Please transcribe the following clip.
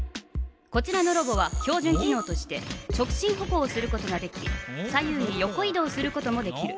こちらのロボは標じゅん機のうとして直進歩行をすることができ左右に横い動することもできる。